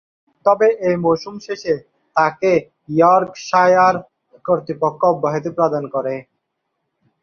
তবে, ঐ মৌসুম শেষে তাকে ইয়র্কশায়ার কর্তৃপক্ষ অব্যাহতি প্রদান করে।